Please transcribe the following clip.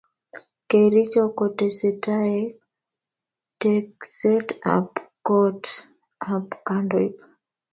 Kericho kotestaike tekset ab kot ab kandoik